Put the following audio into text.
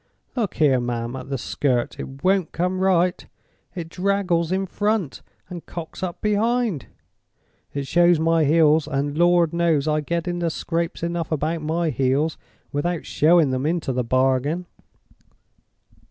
Look here, ma'am, at the skirt. It won't come right. It draggles in front, and cocks up behind. It shows my heels—and, Lord knows, I get into scrapes enough about my heels, without showing them into the bargain!"